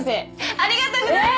ありがとうございます！